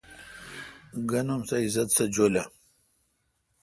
گن اُم سہ عزت سہ جولہ۔